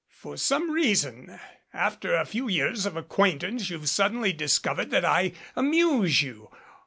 For some reason, after a few years of acquaintance you've suddenly discovered that I amuse you.